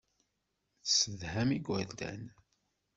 Tessedham igerdan.